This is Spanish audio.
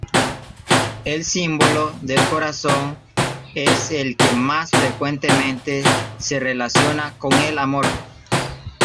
El símbolo del corazón es el que más frecuentemente se relaciona con el amor.